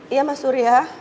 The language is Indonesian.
iya mas surya